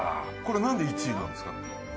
何で１位なんですか？